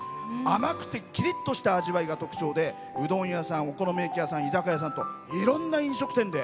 甘くて、きりっとした味わいが特徴でうどん屋さん、お好み焼き屋さん居酒屋さんといろんな飲食店で